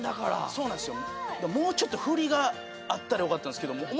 そうなんすよ。